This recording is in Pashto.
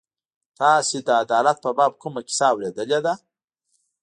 تاسو د عدالت په باب کومه کیسه اورېدلې ده.